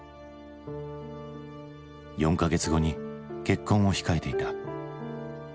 ４か月後に結婚を控えていた。